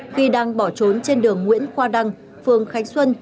khi đang bỏ trốn trên đường nguyễn khoa đăng phường khánh xuân